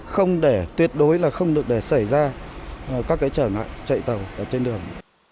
không để tuyệt đối là không được để xảy ra các trở ngại chạy tàu trên đường